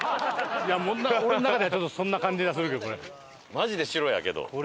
俺の中ではちょっとそんな感じがするけどね。